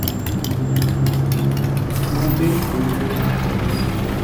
মন্দির পূর্ব দিকে সম্মুখীন।